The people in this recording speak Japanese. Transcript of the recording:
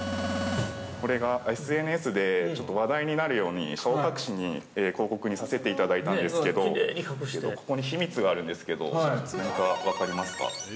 ◆これがＳＮＳでちょっと話題になるように、顔隠しに、広告にさせていただいたんですけどここに秘密があるんですけど何か分かりますか。